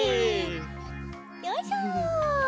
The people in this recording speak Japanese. よいしょ！